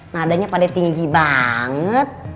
nadanya padahal tinggi banget